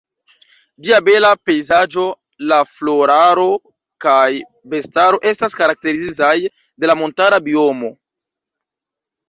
Ĝia bela pejzaĝo, la floraro kaj bestaro estas karakterizaj de la montara biomo.